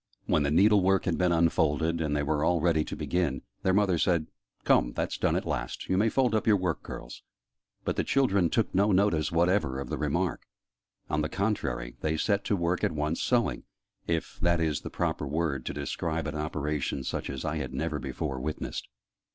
When the needle work had been unfolded, and they were all ready to begin, their mother said "Come, that's done, at last! You may fold up your work, girls." But the children took no notice whatever of the remark; on the contrary, they set to work at once sewing if that is the proper word to describe an operation such as I had never before witnessed.